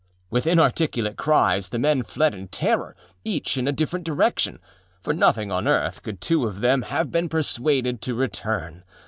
With inarticulate cries the men fled in terror, each in a different direction. For nothing on earth could two of them have been persuaded to return.